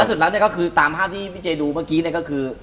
สุดแล้วเนี่ยก็คือตามภาพที่พี่เจดูเมื่อกี้เนี่ยก็คือ